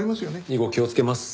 以後気をつけます。